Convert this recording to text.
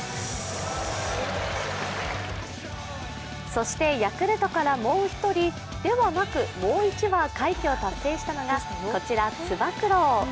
そしてヤクルトからもう一人、ではなくもう１羽快挙を達成したのが、こちら、つば九郎。